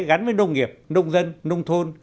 gắn với nông nghiệp nông dân nông thôn